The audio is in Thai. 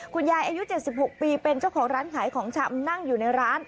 อายุ๗๖ปีเป็นเจ้าของร้านขายของชำนั่งอยู่ในร้าน